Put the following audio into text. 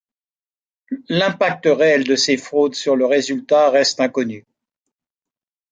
L'impact réel de ces fraudes sur le résultat reste inconnu.